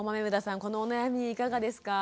このお悩みいかがですか？